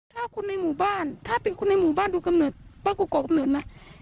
ถ้าคนในหมู่บ้านถ้าเป็นคนในหมู่บ้านดูกำเนิดบ้านกูก่อกำเนิดนะ